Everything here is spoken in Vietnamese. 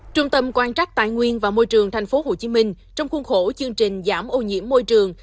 trung tâm quan trắc tài nguyên và môi trường tp hcm trong khuôn khổ chương trình giảm ô nhiễm môi trường